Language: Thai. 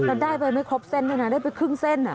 แล้วได้ไปไม่ครบเส้นด้วยนะได้ไปครึ่งเส้น